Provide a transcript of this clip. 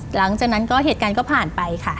หลังจากนั้นก็เหตุการณ์ก็ผ่านไปค่ะ